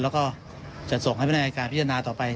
แล้วก็จะส่งให้พนักอายการพิจารณาต่อไป